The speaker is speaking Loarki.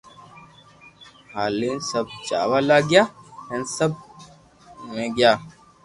ھالين سب جاوا لاگيا ھين سب اوويا گيا